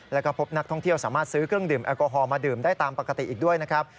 แล้วก็พบนักท่องเที่ยวสามารถซื้อเครื่องดื่มแอลกอฮอลมาดื่มได้ตามปกติอีกด้วยนะครับ